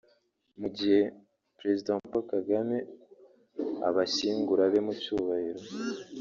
Mu gihe President Paul Kagame abashyingura abe mu cyubahiro